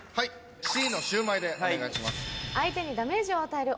Ｃのシューマイでお願いします。